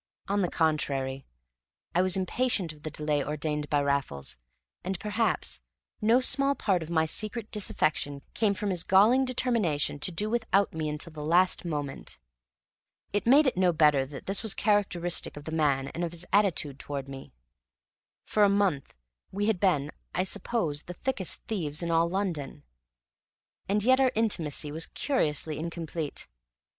On the contrary, I was impatient of the delay ordained by Raffles; and, perhaps, no small part of my secret disaffection came of his galling determination to do without me until the last moment. It made it no better that this was characteristic of the man and of his attitude towards me. For a month we had been, I suppose, the thickest thieves in all London, and yet our intimacy was curiously incomplete.